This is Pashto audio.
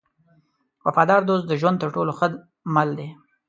وفادار دوست د ژوند تر ټولو ښه مل دی.